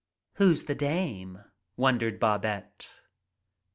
"Who's the dame?" wondered Babette.